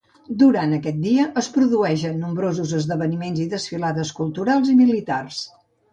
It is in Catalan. Durant aquest dia, es produeixen nombrosos esdeveniments i desfilades culturals i militars.